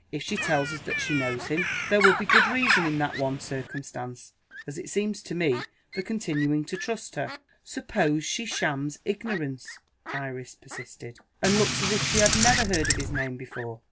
If she tells us that she knows him, there will be good reason in that one circumstance, as it seems to me, for continuing to trust her." "Suppose she shams ignorance," Iris persisted, "and looks as if she had never heard of his name before?"